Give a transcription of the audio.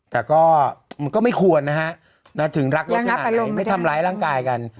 แต่ก็มันก็ไม่ควรนะฮะถึงรักรถขนาดไหนไม่ทำร้ายร่างกายกัน